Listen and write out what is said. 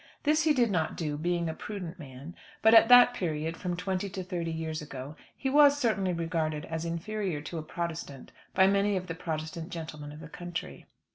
This he did not do, being a prudent man; but at that period, from twenty to thirty years ago, he was certainly regarded as inferior to a Protestant by many of the Protestant gentlemen of the country.